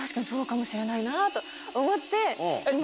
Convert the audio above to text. しれないなと思って。